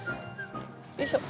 よいしょ。